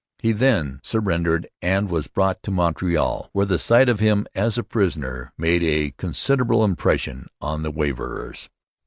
He then surrendered and was brought into Montreal, where the sight of him as a prisoner made a considerable impression on the waverers.